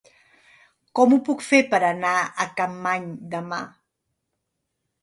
Com ho puc fer per anar a Capmany demà?